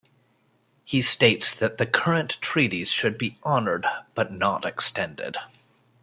He states that current treaties should be honored but not extended.